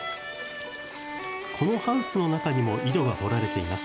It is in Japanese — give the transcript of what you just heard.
このハウスの中にも井戸が掘られています。